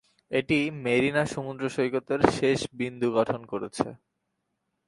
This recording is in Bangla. এটি মেরিনা সমুদ্র সৈকতের শেষ বিন্দু গঠন করেছে।